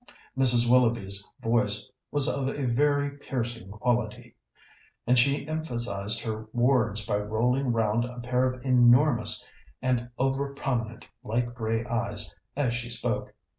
Mrs. Willoughby's voice was of a very piercing quality, and she emphasized her words by rolling round a pair of enormous and over prominent light grey eyes as she spoke.